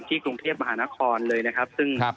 กรุงเทพมหานครเลยนะครับ